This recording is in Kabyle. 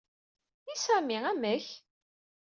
I Sami, amek?